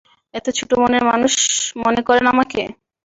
এতো ছোট মনের মানুষ মনে করেন আমাকে?